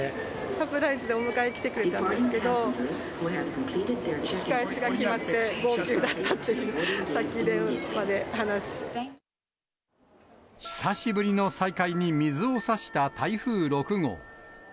サプライズでお迎え来てくれたんですけど、引き返しが決まって号泣だったというふうに、さっき、電話で話を久しぶりの再会に水をさした台風６号。